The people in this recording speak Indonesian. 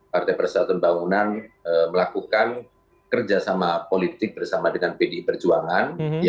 partai persatuan bangunan melakukan kerjasama politik bersama dengan pdi perjuangan